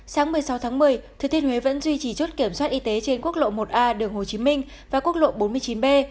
sáng một mươi sáu tháng một mươi thừa thiên huế vẫn duy trì chốt kiểm soát y tế trên quốc lộ một a đường hồ chí minh và quốc lộ bốn mươi chín b